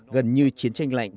gần như chiến tranh